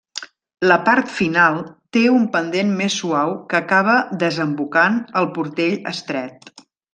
La part final té un pendent més suau que acaba desembocant al Portell Estret.